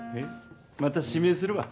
また指名するわ。